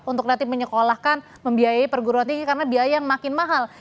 untuk nanti menyekolahkan membiayai perguruan tinggi karena biaya yang makin mahal